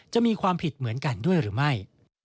จะมีความผิดเหมือนกันด้วยหรือไม่